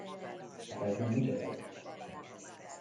Hát ez meg micsoda?